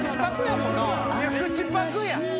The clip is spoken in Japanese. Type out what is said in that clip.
口パクやもんな。